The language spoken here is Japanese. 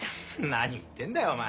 何言ってんだよお前。